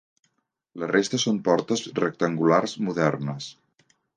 La resta són portes rectangulars modernes.